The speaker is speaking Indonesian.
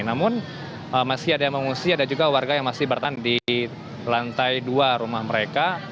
namun masih ada yang mengungsi ada juga warga yang masih bertahan di lantai dua rumah mereka